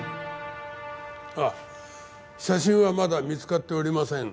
あ写真はまだ見つかっておりません。